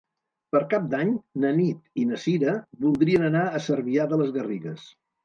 Per Cap d'Any na Nit i na Sira voldrien anar a Cervià de les Garrigues.